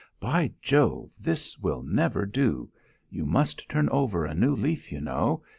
By Jove! this will never do! You must turn over a new leaf, you know.